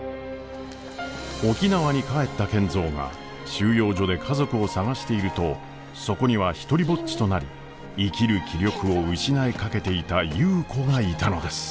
沖縄に帰った賢三が収容所で家族を捜しているとそこには独りぼっちとなり生きる気力を失いかけていた優子がいたのです。